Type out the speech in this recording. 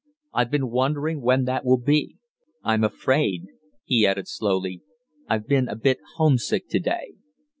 I've been wondering when that will be. I'm afraid," he added slowly, "I've been a bit homesick to day."